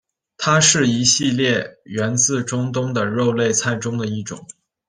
它是一系列源自中东的肉类菜中的一种。